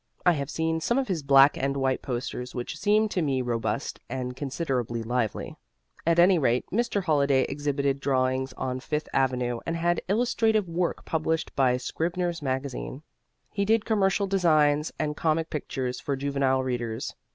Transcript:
I have seen some of his black and white posters which seemed to me robust and considerably lively. At any rate, Mr. Holliday exhibited drawings on Fifth avenue and had illustrative work published by Scribner's Magazine. He did commercial designs and comic pictures for juvenile readers.